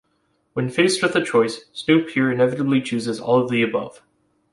When faced with a choice, Snoop here inevitably chooses all of the above.